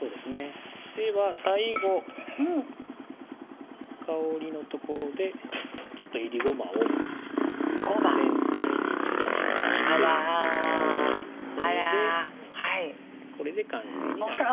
では最後香りのところでちょっといりごまをごま全体に散らしましてあらあらこれでこれで完成になります